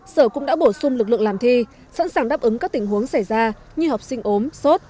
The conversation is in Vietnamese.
sở cũng đã bổ sung lực lượng làm thi sẵn sàng đáp ứng các tình huống xảy ra như học sinh ốm sốt